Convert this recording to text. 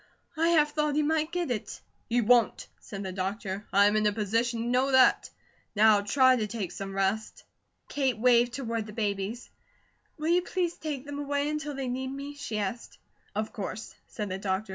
"I half thought he might get it." "He WON'T!" said the doctor. "I'm in a position to know that. Now try to take some rest." Kate waved toward the babies: "Will you please take them away until they need me?" she asked. "Of course," said the doctor.